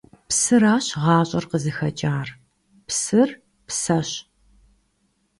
Псыращ ГъащӀэр къызыхэкӀар. Псыр – псэщ!